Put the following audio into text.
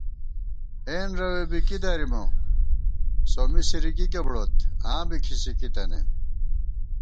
اېن رَوے بی کی دَرِمہ ، سومّی سِرِکِکے بُڑوت ، آں بی کھِسِکی تَنَئم